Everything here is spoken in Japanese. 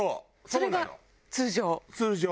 それが通常？